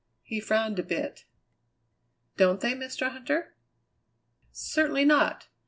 He frowned a bit. "Don't they, Mr. Huntter?" "Certainly not!